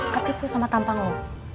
ketipu sama tampang lu